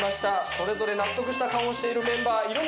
それぞれ納得した顔をしてるメンバーいるのでしょうか？